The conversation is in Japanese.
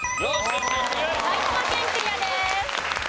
埼玉県クリアです。